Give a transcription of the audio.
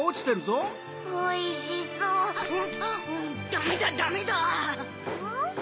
ダメだダメだ！ん？